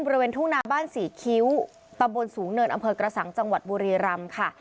บริเวณทุ่งนาบ้านสี่คิ้วตำบลสูงเนินอำเภอกระสังจังหวัดบุรีรำค่ะ